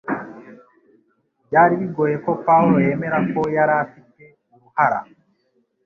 Byari bigoye ko Pawulo yemera ko yari afite uruhara